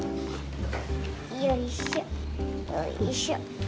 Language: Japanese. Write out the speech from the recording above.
よいしょよいしょ。